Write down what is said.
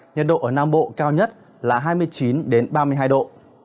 nhật độ ở nam bộ cao nhất là hai mươi chín đến ba mươi hai độ